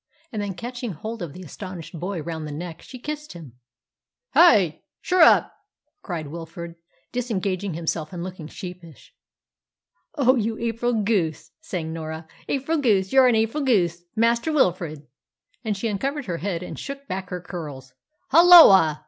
And then, catching hold of the astonished boy round the neck, she kissed him. "Hi! Shurrup!" cried Wilfrid, disengaging himself and looking sheepish. "Oh, you April goose!" sang Norah; "April goose you're an April goose, Master Wilfrid!" And she uncovered her head and shook back her curls. "Halloa!"